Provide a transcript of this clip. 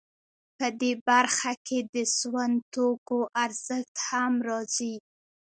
په دې برخه کې د سون توکو ارزښت هم راځي